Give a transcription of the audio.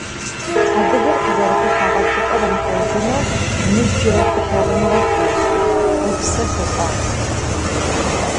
Adıger khızerexhuheğe çç'ıp'er ımıxhojıneu nıbjıre ş'ulheğunığe fêş'ı, ıpse xet'ağ.